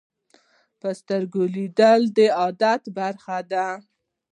په سترګو لیدل د عادت برخه ده